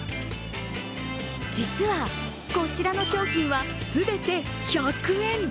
実はこちらの商品は全て１００円。